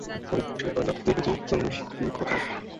হরিহর খুশি হইয়া বলে, তুই বুঝি শূনসি খোকা?